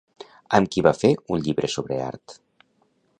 Amb qui va fer un llibre sobre art?